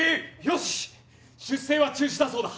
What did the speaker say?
よし出征は中止だそうだ！